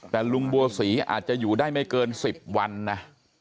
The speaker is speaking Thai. แต่ลุงบัวศรีอาจจะอยู่ได้ไม่เกิน๑๐วันนะ